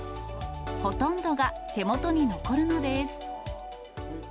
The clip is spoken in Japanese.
ほとんどが手元に残るのです。